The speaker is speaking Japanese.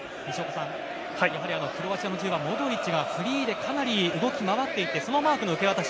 クロアチアの１０番モドリッチがフリーでかなり動き回っていてそのマークの受け渡し